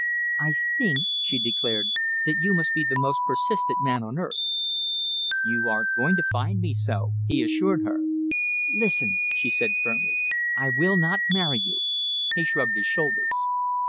"I think," she declared, "that you must be the most persistent man on earth." "You are going to find me so," he assured her. "Listen," she said firmly, "I will not marry you!" He shrugged his shoulders.